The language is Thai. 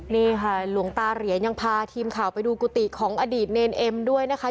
นี่ค่ะหลวงตาเหรียญยังพาทีมข่าวไปดูกุฏิของอดีตเนรเอ็มด้วยนะคะ